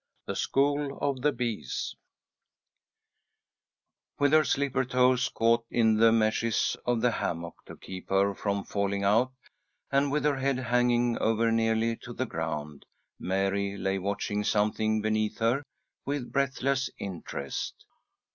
THE SCHOOL OF THE BEES WITH her slipper toes caught in the meshes of the hammock to keep her from falling out, and with her head hanging over nearly to the ground, Mary lay watching something beneath her, with breathless interest.